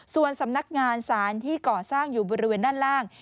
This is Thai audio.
ส่วนสำนักงานสารที่ก่อสร้างอยู่บริเวณด้านล่าง